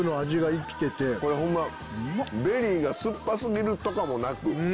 これホンマベリーが酸っぱ過ぎるとかもなく。